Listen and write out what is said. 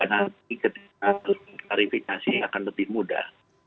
karena ketika klarifikasi akan lebih mudah